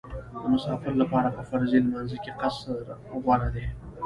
د مسافر لپاره په فرضي لمانځه کې قصر غوره دی